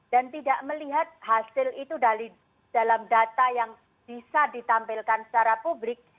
dan tidak melihat hasil itu dalam data yang bisa ditampilkan secara publik